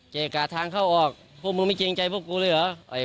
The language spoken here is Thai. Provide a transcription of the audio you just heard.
กะทางเข้าออกพวกมึงไม่เกรงใจพวกกูเลยเหรอ